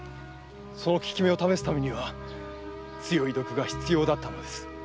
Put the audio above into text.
その効き目を試すためには強い毒が必要だったのです。